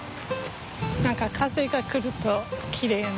何か風が来るときれいやな。